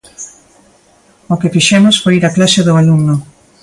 O que fixemos foi ir á clase do alumno.